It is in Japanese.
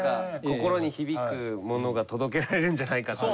心に響くものが届けられるんじゃないかと。